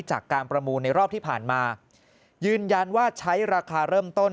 จากการประมูลในรอบที่ผ่านมายืนยันว่าใช้ราคาเริ่มต้น